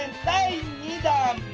第２弾！